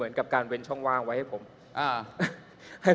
คุณเขตรัฐพยายามจะบอกว่าโอ้เลิกพูดเถอะประชาธิปไตย